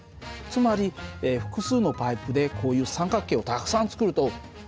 つまり複数のパイプでこういう三角形をたくさん作ると丈夫になるんだね。